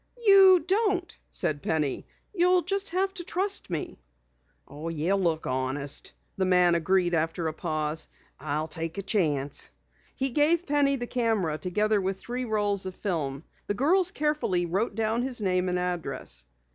"You don't," said Penny. "You'll just have to trust me." "You look honest," the man agreed after a pause. "I'll take a chance." He gave Penny the camera, together with three rolls of film. The girls carefully wrote down his name and address.